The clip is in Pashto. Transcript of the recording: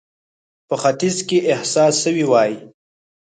په ختیځ کې احساس سوې وای.